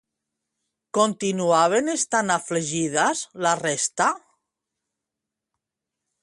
Continuaven estant afligides la resta?